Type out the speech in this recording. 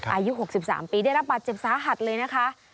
อายุ๖๓ปีได้รับบาดเจ็บสาหัสเลยนะคะ